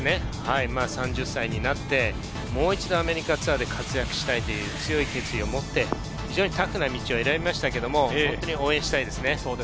３０歳になって、もう一度アメリカツアーで活躍したいという強い決意を持って、非常にタフな道を選びましたが、応援したいですね。